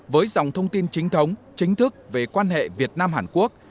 với dòng thông tin chính thống chính thức về quan hệ việt nam hàn quốc